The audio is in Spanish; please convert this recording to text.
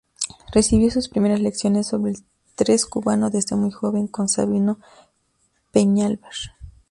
Recibió sus primeras lecciones sobre el tres cubano desde muy joven con Sabino Peñalver.